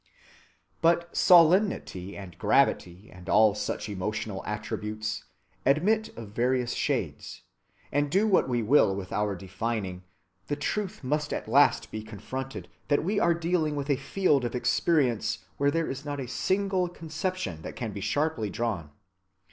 But solemnity, and gravity, and all such emotional attributes, admit of various shades; and, do what we will with our defining, the truth must at last be confronted that we are dealing with a field of experience where there is not a single conception that can be sharply drawn.